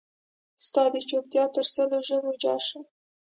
ستا دچوپتیا تر سلو ژبو جارشم